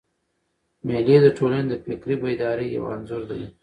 مېلې د ټولني د فکري بیدارۍ یو انځور دئ.